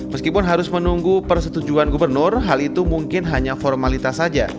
meskipun harus menunggu persetujuan gubernur hal itu mungkin hanya formalitas saja